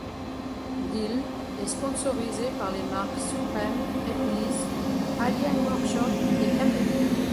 Dill est sponsorisé par les marques Supreme, Etnies, Alien Workshop, et Camel.